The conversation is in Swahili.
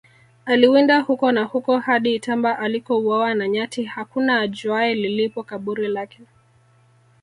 aliwinda huko na huko hadi itamba alikouawa na nyati Hakuna ajuaye lilipo kaburi lake